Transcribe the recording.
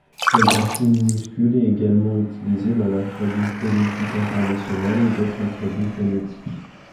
Sa graphie minuscule est également utilisée dans l'alphabet phonétique international et d’autres alphabets phonétiques.